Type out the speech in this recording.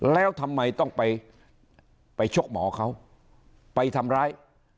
แล้วทำไมต้องไปไปชกหมอเขาไปทำร้าย